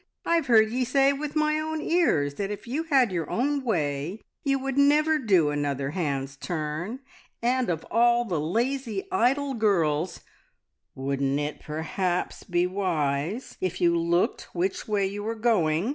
I've heard ye say with my own ears that if you had your own way, you would never do another hand's turn, and of all the lazy, idle girls " "Wouldn't it perhaps be wise if you looked which way you were going?